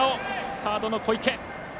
サードの小池。